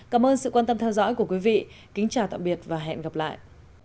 cảm ơn sự quan tâm theo dõi của quý vị kính chào tạm biệt và hẹn gặp lại